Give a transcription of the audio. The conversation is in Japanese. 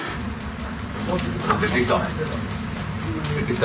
出てきた。